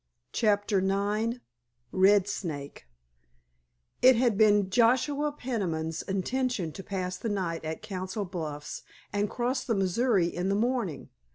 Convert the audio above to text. *CHAPTER IX* *RED SNAKE* It had been Joshua Peniman's intention to pass the night at Council Bluffs and cross the Missouri in the morning.